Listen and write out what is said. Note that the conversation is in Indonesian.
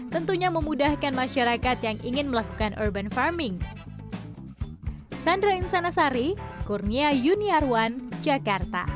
tentunya memudahkan masyarakat yang ingin melakukan urban farming